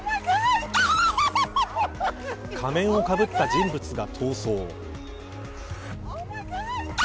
仮面をかぶった人物が逃走。